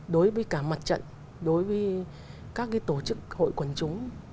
đối với cả mặt trận đối với các tổ chức hội quần chúng